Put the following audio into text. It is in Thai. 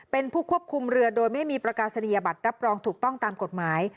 เป็นผู้ควบคุมเรือโดยไม่มีประกาศนียบัตรรับรองถูกต้องตามกฎหมาย